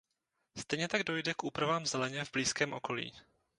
Stejně tak dojde k úpravám zeleně v blízkém okolí.